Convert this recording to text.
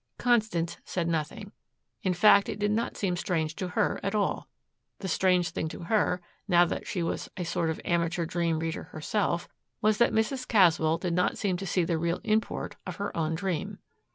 Constance said nothing. In fact it did not seem strange to her at all. The strange thing to her, now that she was a sort of amateur dream reader herself, was that Mrs. Caswell did not seem to see the real import of her own dream.